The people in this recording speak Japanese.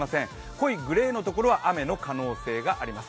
濃いグレーのところは雨の可能性があります。